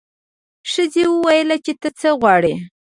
ښځې وویل چې ته څه غواړې.